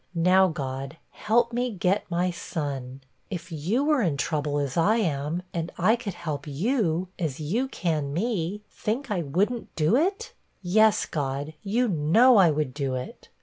Now, God, help me get my son. If you were in trouble, as I am, and I could help you, as you can me, think I would n't do it? Yes, God, you know I would do it.'